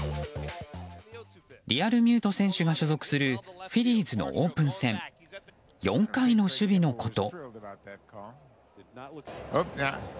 リアルミュート選手が所属するフィリーズのオープン戦４回の守備のこと。